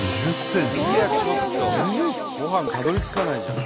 ご飯たどりつかないじゃん。